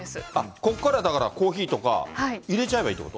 ここからだからコーヒーとか入れちゃえばいいってこと？